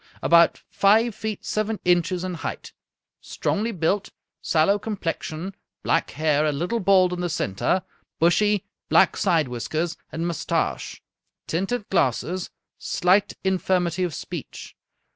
About five feet seven inches in height; strongly built, sallow complexion, black hair, a little bald in the center, bushy black side whiskers and mustache ; tinted glasses ; slight infirmity of speech.